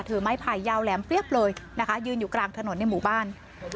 ไม้ไผ่ยาวแหลมเปรี้ยบเลยนะคะยืนอยู่กลางถนนในหมู่บ้าน